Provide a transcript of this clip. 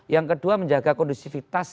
yang kedua menjaga kondisivitas